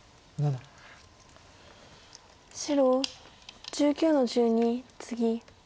白１９の十二ツギ。